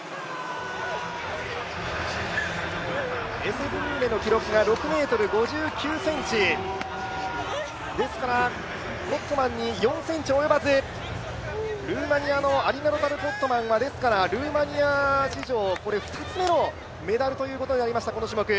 エセ・ブルーメの記録が６ｍ５９ｃｍですからコットマンに４ｃｍ及ばず、ルーマニアのアリナ・ロタルコットマンはルーマニア史上２つ目のメダルになりました、この種目。